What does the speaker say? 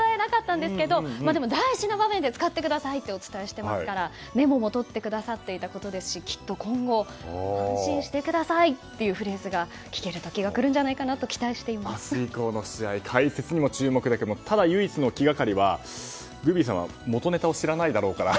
も、大事な場面で使ってくださいってお伝えしていますからメモも取ってくださっていたことですし今後安心してくださいっていうフレーズが聞ける時が来るんじゃないかなと明日以降の試合解説にも注目だけどただ唯一の気がかりはグビーさんは元ネタを知らないだろうから。